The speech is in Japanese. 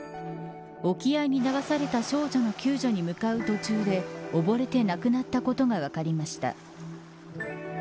沖合に流された少女の救助に向かう途中で溺れて亡くなったことが分かりました。